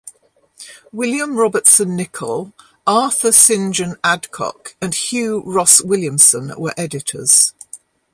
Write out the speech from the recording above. William Robertson Nicoll, Arthur Saint John Adcock and Hugh Ross Williamson were editors.